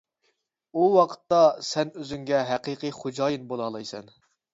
ئۇ ۋاقىتتا سەن ئۆزۈڭگە ھەقىقىي خوجايىن بولالايسەن.